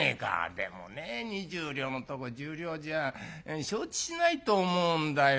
「でもね２０両のとこ１０両じゃ承知しないと思うんだよ。